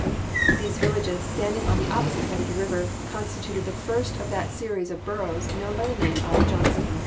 These villages standing on opposite sides of the river, constituted the first of that series of boroughs known by the name of Johnstown.